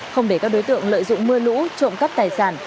không để các đối tượng lợi dụng mưa lũ trộm cắp tài sản